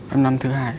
em năm thứ hai